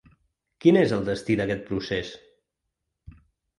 Quin és el destí d’aquest procés?